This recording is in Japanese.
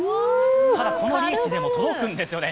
このリーチでも届くんですよね。